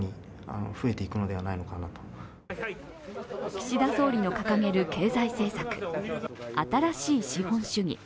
岸田総理の掲げる経済政策、新しい資本主義。